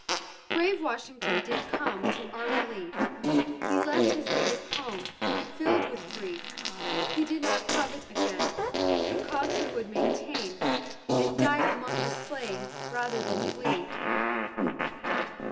Brave WASHINGTON did come To our relief; He left his native home, Filled with grief, He did not covet gain, The cause he would maintain And die among the slain Rather than flee.